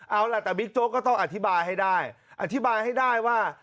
เอาล่ะแต่บิ๊กโจ๊กก็ต้องอธิบายให้ได้อธิบายให้ได้ว่า